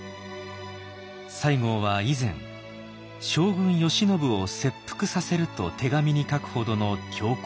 西郷は以前「将軍慶喜を切腹させる」と手紙に書くほどの強硬派。